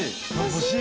欲しい！